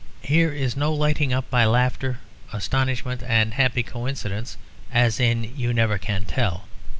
Here is no lighting up by laughter, astonishment, and happy coincidence, as in You Never Can Tell.